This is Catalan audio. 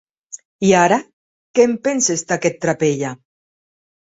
I ara, què en penses d'aquest trapella?